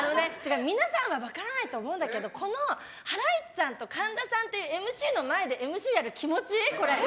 皆さんは分からないと思うけどハライチさんと神田さんっていうＭＣの前でＭＣをやる気持ち。